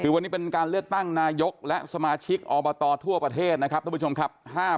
คือวันนี้เป็นการเลือกตั้งนายกและสมาชิกอบตทั่วประเทศนะครับท่านผู้ชมครับ